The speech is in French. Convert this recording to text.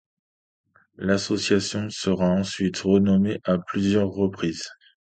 L'association sera ensuite renommée à plusieurs reprises.